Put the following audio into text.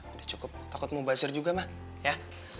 udah cukup takut mau basir juga ma ya